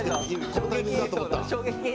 このタイミングだと思った。